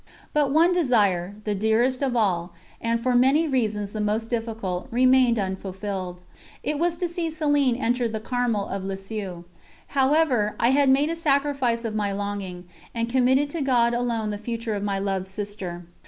But one desire, the dearest of all, and for many reasons the most difficult, remained unfulfilled. It was to see Céline enter the Carmel of Lisieux. However, I had made a sacrifice of my longing, and committed to God alone the future of my loved sister.